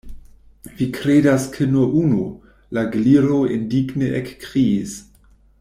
"Vi kredas ke nur unu?" la Gliro indigne ekkriis.